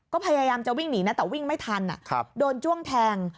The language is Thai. ก็พยายามจะวิ่งหนีนะแต่วิ่งไม่ทันโดนจ้วงแทง